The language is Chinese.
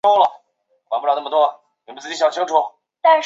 治所约在今越南乂安省南坛县境内。